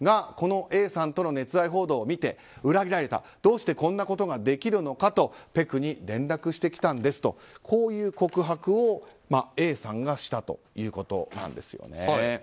その人がＡさんとの熱愛報道を見て裏切られた、どうしてこんなことができるのかとペクに連絡してきたんですという告白をＡさんがしたということなんです。